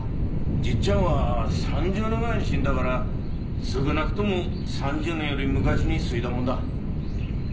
じっちゃんは３０年前に死んだから少なくとも３０年より昔にすいたもんだ。